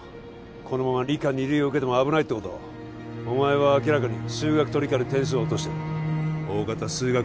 このまま理科二類を受けても危ないってことお前は明らかに数学と理科で点数を落としてる大方数学